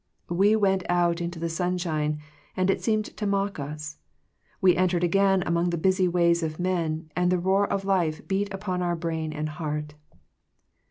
We went out into the sunshine, and it seemed to mock us. We entered again among the busy ways of men, and the roar of life beat upon our brain and heart.